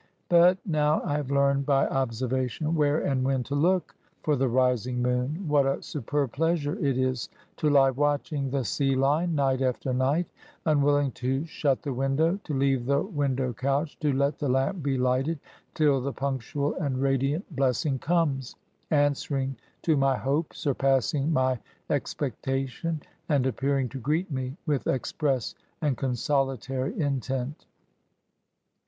But, now I have learned by observation where and when to look for the rising moon, what a superb pleasure it is to lie watching the sea line, night after night, unwilling to shut the window, to leave the window couch, to let the lamp be lighted, till the punctual and radiant blessing comes, answering to my hope, surpassing my expectation, and appearing to greet me with express and consolatory intent!